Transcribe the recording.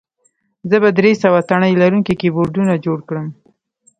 زه به درې سوه تڼۍ لرونکي کیبورډونه جوړ کړم